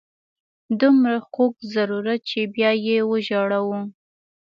دومره خوږ ضرورت چې بیا یې وژاړو.